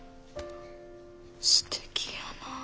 すてきやなあ。